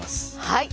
はい。